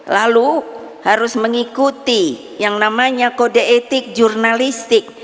lalu harus mengikuti yang namanya kode etik jurnalistik